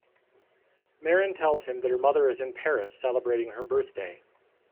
Marin tells him that her mother is in Paris celebrating her birthday.